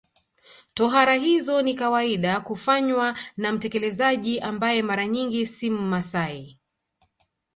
Tohara hizo ni kawaida kufanywa na mtekelezaji ambaye mara nyingi si Mmasai